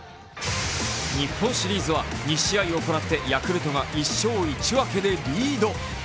日本シリーズは２試合行って、ヤクルトが１勝１分でリード。